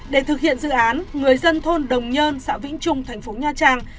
để thực hiện dự án người dân thôn đồng nhơn xã vĩnh trung tp nha trang